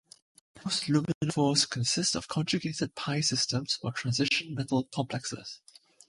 Most luminophores consist of conjugated pi systems or transition metal complexes.